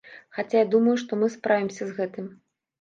Хаця я думаю, што мы справімся з гэтым.